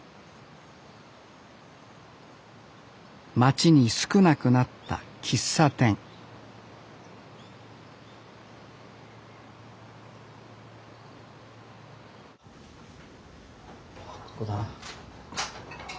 町に少なくなった喫茶店ここだな。